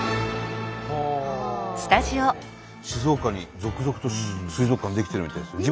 静岡に続々と水族館出来てるみたいですよ。